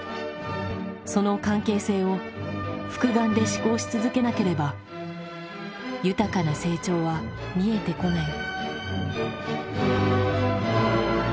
その関係性を複眼で思考し続けなければ豊かな成長は見えてこない。